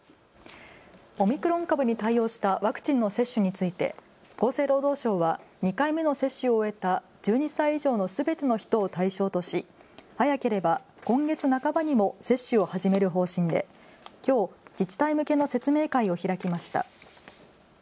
オミクロン株に対応したワクチンの接種について厚生労働省は２回目の接種を終えた１２歳以上のすべての人を対象とし、早ければ今月半ばにも接種を始める方針で、きょう自治体向けの説明会を開きました。